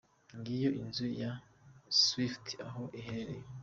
Ngiyo inzu ya Swift aho iherereye.